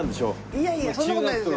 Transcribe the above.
いやいやそんな事ないですよ。